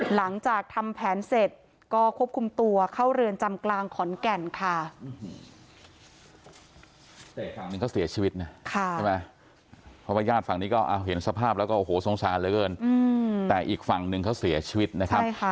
หลังจากทำแผนเสร็จก็ควบคุมตัวเข้าเรือนจำกลางขอนแก่นค่ะ